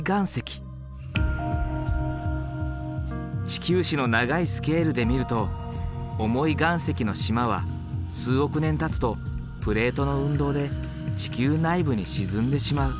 地球史の長いスケールで見ると重い岩石の島は数億年たつとプレートの運動で地球内部に沈んでしまう。